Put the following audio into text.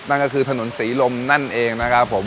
นั่นก็คือถนนศรีลมนั่นเองนะครับผม